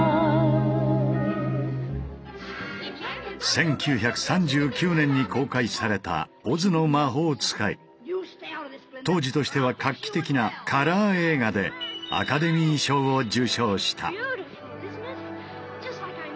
１９３９年に公開された当時としては画期的なカラー映画でアカデミー賞を受賞した。